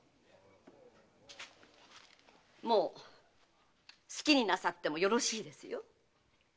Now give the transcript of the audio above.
もう好きになさってもよろしいですよ。